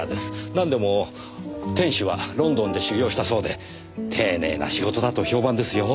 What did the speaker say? なんでも店主はロンドンで修業したそうで丁寧な仕事だと評判ですよ。